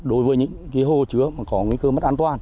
đối với những hồ chứa có nguy cơ mất an toàn